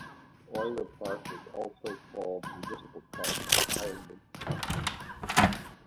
Oiler Park was also called "Municipal Park" and "Ironmen Park".